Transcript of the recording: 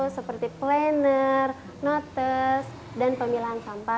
seperti planner notes dan pemilahan sampah